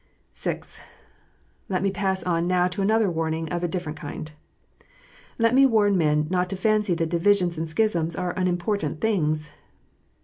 (6) Let me pass on now to another warning of a different kind. Let me warn men not to fancy that divisions and schisms are unimportant things.